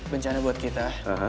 bencana buat kita